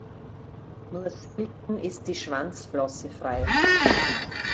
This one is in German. Nur selten ist die Schwanzflosse frei.